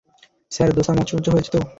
Sir, dosa মচমচে হয়েছে তো?